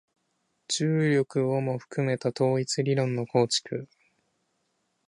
重力をも含めた統一理論の構築